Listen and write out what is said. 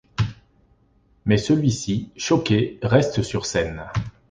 Mais celui-ci, choqué, reste sur scène.